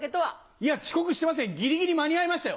いや遅刻してませんギリギリ間に合いましたよ。